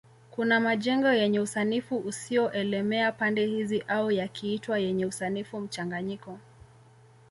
kuna majengo yenye usanifu usio elemea pande hizi au yakiitwa yenye usanifu mchanganyiko